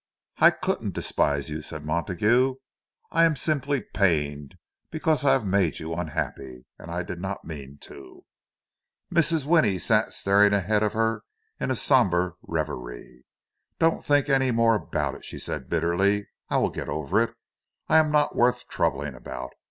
"I couldn't despise you," said Montague. "I am simply pained, because I have made you unhappy. And I did not mean to." Mrs. Winnie sat staring ahead of her in a sombre reverie. "Don't think any more about it," she said, bitterly. "I will get over it. I am not worth troubling about.